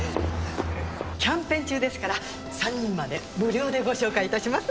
キャンペーン中ですから３人まで無料でご紹介いたします。